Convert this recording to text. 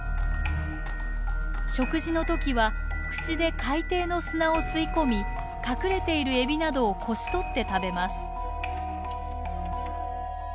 食事の時は口で海底の砂を吸い込み隠れているエビなどをこしとって食べます。